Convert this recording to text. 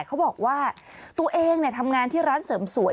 เขาบอกว่าตัวเองทำงานที่ร้านเสริมสวย